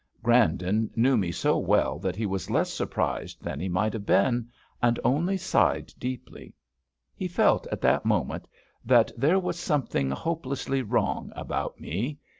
Grandon knew me so well that he was less surprised than he might have been, and only sighed deeply. He felt at that moment that there was something hopelessly wrong about me.